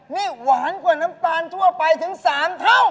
นี่หวานกว่าน้ำตาลทั่วไปถึง๓เท่า